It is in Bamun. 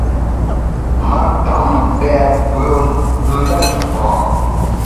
Ma tam pe’ pùem mbèt fa’.